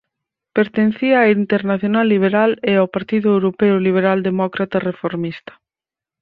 Pertencía á Internacional Liberal e ao Partido Europeo Liberal Demócrata Reformista.